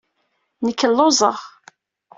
Nekk lluẓeɣ.